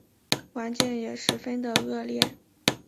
环境也十分的恶劣